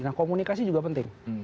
nah komunikasi juga penting